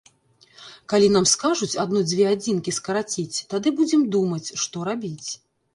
Калі нам скажуць адну-дзве адзінкі скараціць, тады будзем думаць, што рабіць.